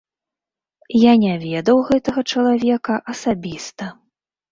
Я не ведаў гэтага чалавека асабіста.